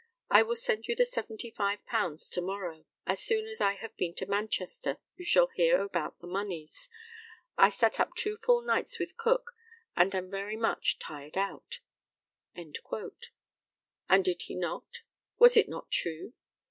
"I will send you the £75 to morrow, and as soon as I have been to Manchester you shall hear about other moneys. I sat up two full nights with Cook, and am very much tired out." And did he not? Was it not true?